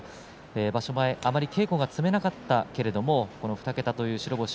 場所前あまり稽古が積めなかったけれども２桁という白星